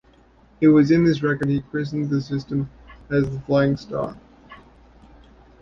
It was in this record he christened the system as the "Flying Star".